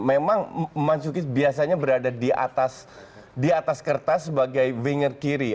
memang mansuki biasanya berada di atas kertas sebagai winger kiri